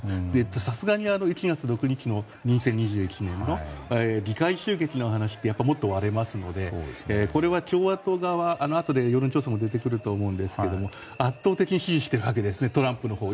さすがに２０２１年の１月６日の議会襲撃の話ってもっと割れますので、これは共和党側は、あとで世論調査も出てくると思いますが圧倒的に支持しているわけですねトランプのほうを。